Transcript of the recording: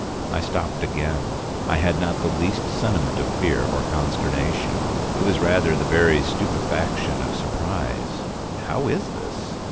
I stopped again. I had not the least sentiment of fear or consternation. It was rather the very stupefaction of surprise. 'How is this?